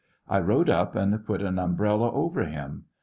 I rode up and put an umbrella over him.